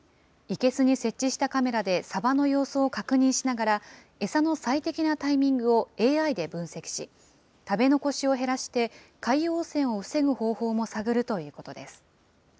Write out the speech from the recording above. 生けすに設置したカメラでサバの様子を確認しながら、餌の最適なタイミングをＡＩで分析し、食べ残しを減らして、海洋汚染を防ぐ方法も探るということです。